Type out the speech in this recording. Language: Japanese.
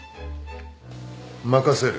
任せる。